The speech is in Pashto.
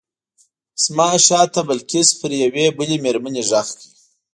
زما شاته بلقیس پر یوې بلې مېرمنې غږ کړ.